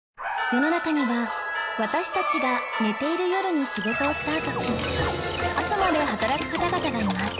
世の中には私たちが寝ている夜に仕事をスタートし朝まで働く方々がいます